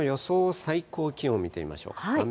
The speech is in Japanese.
最高気温、見てみましょう。